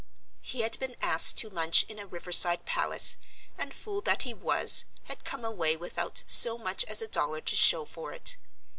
He had been asked to lunch in a Riverside palace, and, fool that he was, had come away without so much as a dollar to show for it.